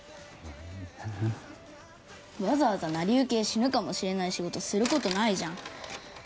わざわざ成り行きで死ぬかもしれない仕事する事ないじゃん。